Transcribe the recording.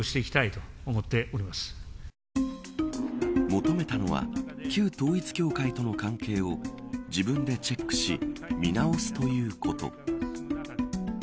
求めたのは旧統一教会との関係を自分でチェックし見直すということ。